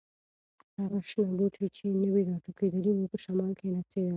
هغه شنه بوټي چې نوي راټوکېدلي وو، په شمال کې نڅېدل.